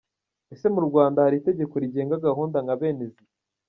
Ese mu Rwanda hari itegeko rigenga gahunda nka bene izi ?